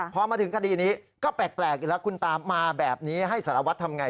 พอมาถึงคดีนี้ก็แปลกอยู่แล้วคุณตามาแบบนี้ให้สารวัตรทำไง